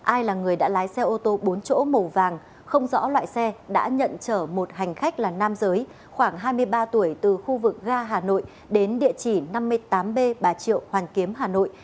ai là người đã lái xe ô tô bốn chỗ màu vàng không rõ loại xe đã nhận chở một hành khách là nam giới khoảng hai mươi ba tuổi từ khu vực ga hà nội đến địa chỉ năm mươi tám b bà triệu hoàn kiếm hà nội